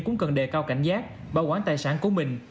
cũng cần đề cao cảnh giác bảo quản tài sản của mình